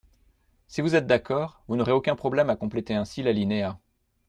Si vous êtes d’accord, vous n’aurez aucun problème à compléter ainsi l’alinéa.